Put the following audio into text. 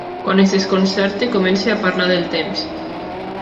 Quan es desconcerta, comença a parlar del temps.